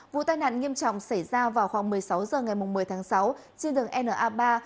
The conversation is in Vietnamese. vụ tai nạn nghiêm trọng xảy ra vào khoảng một mươi sáu h ngày một mươi tháng sáu trên đường na ba